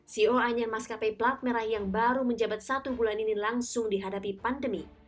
ceo anyan maskapai platmerah yang baru menjabat satu bulan ini langsung dihadapi pandemi